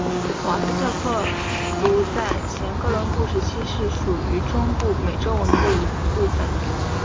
瓦斯特克族在前哥伦布时期是属于中部美洲文明的一部份。